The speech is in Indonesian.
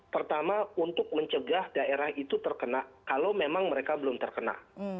pertama untuk mencegah daerah itu terkena kalau memang mereka belum terkena